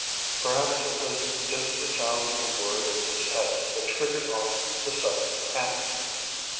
Perhaps it was just the sound of the word in his head that triggered off the sudden panic.